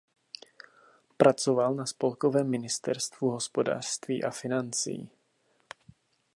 Pracoval na spolkovém ministerstvu hospodářství a financí.